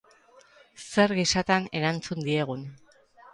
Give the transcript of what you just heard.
Zer gisatan erantzun diegun.